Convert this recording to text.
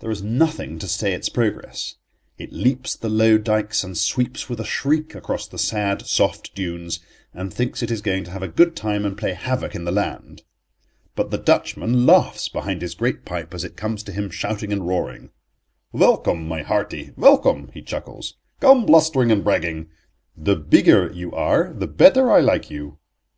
There is nothing to stay its progress. It leaps the low dykes and sweeps with a shriek across the sad, soft dunes, and thinks it is going to have a good time and play havoc in the land. But the Dutchman laughs behind his great pipe as it comes to him shouting and roaring. "Welcome, my hearty, welcome," he chuckles, "come blustering and bragging; the bigger you are the better I like you."